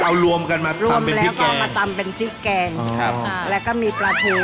เอารวมกันมารวมกันแล้วก็มาตำเป็นพริกแกงแล้วก็มีปลาทู